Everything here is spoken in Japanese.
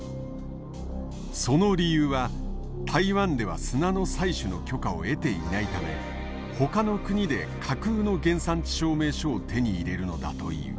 その理由は台湾では砂の採取の許可を得ていないためほかの国で架空の原産地証明書を手に入れるのだという。